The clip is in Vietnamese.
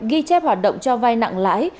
ghi chép hoạt động cho vay nặng lãi